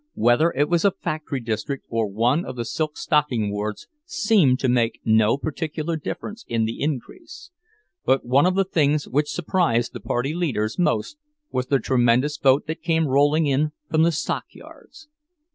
Whether it was a factory district or one of the "silk stocking" wards seemed to make no particular difference in the increase; but one of the things which surprised the party leaders most was the tremendous vote that came rolling in from the stockyards.